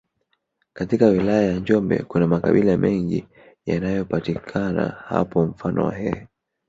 Katika wilaya ya njombe kuna makabila mengi yanayopatika hapo mfano wahehe